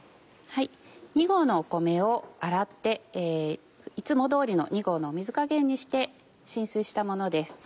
２合の米を洗っていつも通りの２合の水加減にして浸水したものです。